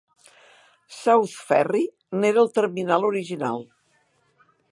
South Ferry n'era el terminal original.